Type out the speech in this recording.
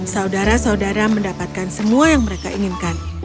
saudara saudara mendapatkan semua yang mereka inginkan